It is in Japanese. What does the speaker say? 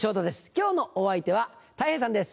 今日のお相手はたい平さんです。